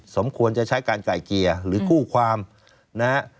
สมควรจะใช้การไก่เกลี่ยหรือคู่ความนะฮะ